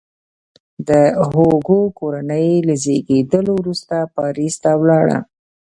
د هوګو کورنۍ له زیږېدلو وروسته پاریس ته ولاړه.